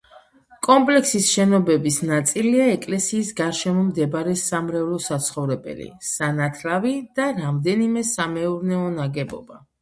კომპლექსის შენობების ნაწილია ეკლესიის გარშემო მდებარე სამრევლო საცხოვრებელი, სანათლავი და რამდენიმე სამეურნეო ნაგებობა.